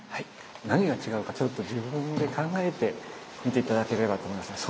何が違うかちょっと自分で考えて見て頂ければと思いますね。